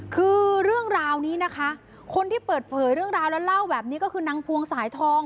คือเรื่องราวนี้นะคะคนที่เปิดเผยเรื่องราวแล้วเล่าแบบนี้ก็คือนางพวงสายทอง